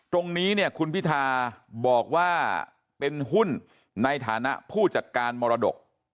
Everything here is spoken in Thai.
ตรงนี้เนี่ยคุณพิธาบอกว่าเป็นหุ้นในฐานะผู้จัดการมรดก